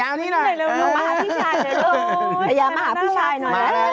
๊อย่ามึงมาหาพี่ชายเดี๋ยวดู